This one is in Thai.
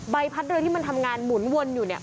ใบพัดเรือที่มันทำงานหมุนวนอยู่เนี่ย